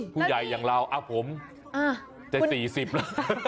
ผู้ใหญ่อย่างเราอ่ะผมแต่๔๐แล้ว